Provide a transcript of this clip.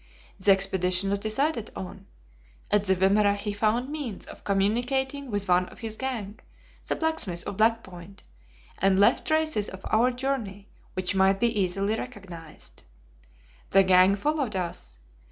The expedition was decided on. At the Wimerra he found means of communicating with one of his gang, the blacksmith of Black Point, and left traces of our journey which might be easily recognized. The gang followed us.